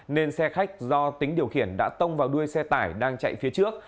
nên xe khách do tính điều khiển đã tông vào đuôi xe tải đang chạy phía trước